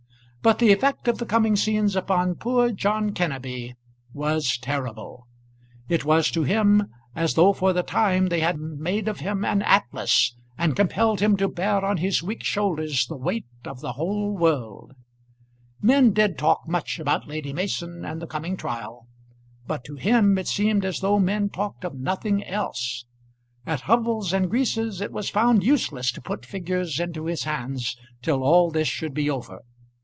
But the effect of the coming scenes upon poor John Kenneby was terrible. It was to him as though for the time they had made of him an Atlas, and compelled him to bear on his weak shoulders the weight of the whole world. Men did talk much about Lady Mason and the coming trial; but to him it seemed as though men talked of nothing else. At Hubbles and Grease's it was found useless to put figures into his hands till all this should be over.